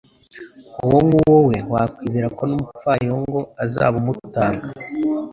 Uwo nguwo we wakwizera ko n’umupfayongo azabumutanga